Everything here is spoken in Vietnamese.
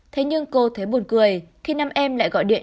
thế nhưng cô thấy buồn cười khi năm em lại gọi điện